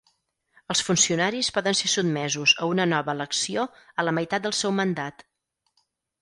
Els funcionaris poden ser sotmesos a una nova elecció a la meitat del seu mandat.